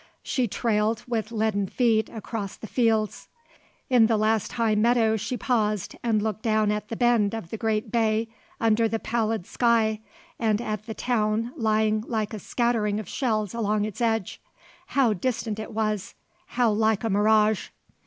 She trailed with leaden feet across the fields. In the last high meadow she paused and looked down at the bend of the great bay under the pallid sky and at the town lying like a scattering of shells along its edge. How distant it was. How like a mirage.